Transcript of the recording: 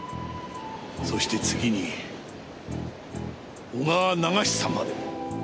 そして次に小川長久まで。